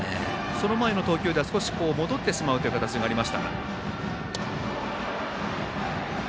その前の投球では少し戻ってしまう形がありましたが。